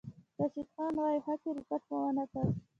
راشد خان وايي، "ښه کرېکټ مو ونه کړ"